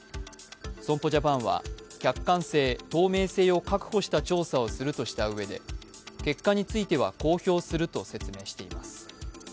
損保ジャパンは客観性・透明性を確保した調査をするとしたうえで結果については公表すると説明しています。